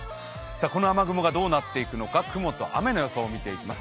この雨雲がどうなっていくのか雲と雨の予想を見ていきます。